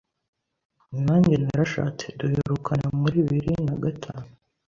nanjye narashatse duherukana muri biri nagatanu